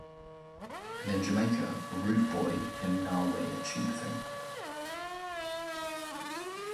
And in Jamaica a rude boy him nah wear cheap ting.